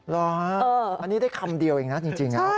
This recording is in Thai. รอครับอันนี้ได้คำเดียวเองนะจริงอ่ะโอ้โฮใช่ค่ะ